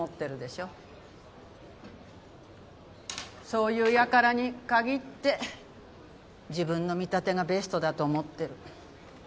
そういう輩に限って自分の見立てがベストだと思ってる。